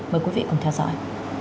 mời quý vị cùng theo dõi